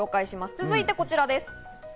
続いてこちらです。